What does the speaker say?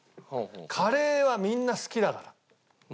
カレーはみんな好きだから。